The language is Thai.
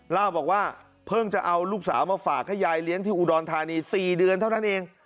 เล่าบอกว่าเพิ่งจะเอาลูกสาวมาฝากให้ยายเลี้ยงที่อุดรธานี๔เดือนเท่านั้นเอง